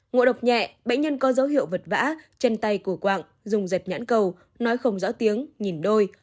ngộ độc nhẹ bệnh nhân có dấu hiệu vật vã chân tay của quạng dùng dẹp nhãn cầu nói không rõ tiếng nhìn đôi